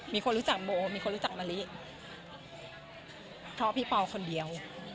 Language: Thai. มีคนรู้จักโมมีคนรู้จักมะลิเพราะพี่เปล่าคนเดียว